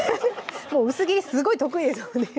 もう薄切りすごい得意ですよね